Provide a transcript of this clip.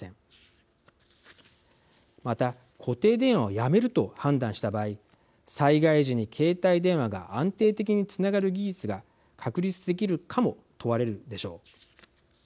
また固定電話をやめると判断した場合災害時に携帯電話が安定的につながる技術が確立できるかも問われるでしょう。